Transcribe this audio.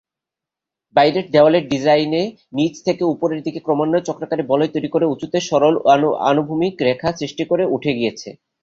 বাইরের দেয়ালের ডিজাইনে নিচ থেকে উপরের দিকে ক্রমান্বয়ে চক্রাকারে বলয় তৈরি করে উঁচুতে সরল অনুভূমিক রেখা সৃষ্টি করে উঠে গিয়েছে।